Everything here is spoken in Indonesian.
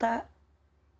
yang disukai oleh allah adalah